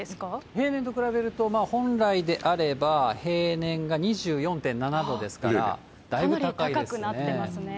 平年と比べると、本来であれば、平年が２４．７度ですから、かなり高くなってますね。